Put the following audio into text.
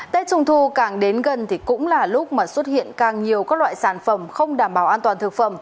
tết trung thu càng đến gần thì cũng là lúc mà xuất hiện càng nhiều các loại sản phẩm không đảm bảo an toàn thực phẩm